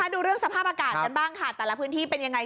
ดูเรื่องสภาพอากาศกันบ้างค่ะแต่ละพื้นที่เป็นยังไง